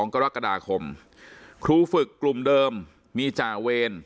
กรกฎาคมครูฝึกกลุ่มเดิมมีจ่าเวร